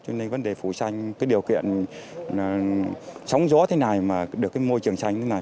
cho nên vấn đề phủ xanh điều kiện sống gió thế này mà được môi trường xanh thế này